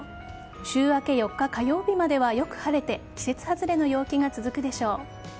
週明け４日火曜日まではよく晴れて季節外れの陽気が続くでしょう。